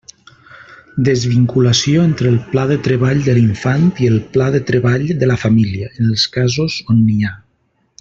Desvinculació entre el pla de treball de l'infant i el pla de treball de la família, en els casos on n'hi ha.